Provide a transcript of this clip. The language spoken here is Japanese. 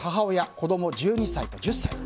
子供１２歳と１０歳。